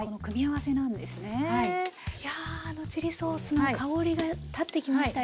いやあのチリソースの香りが立ってきましたよ。